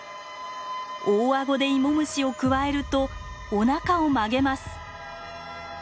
大顎でイモムシをくわえるとおなかを曲げます。